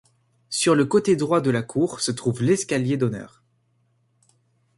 Sur le côté droit de la cour se trouve l'escalier d'honneur.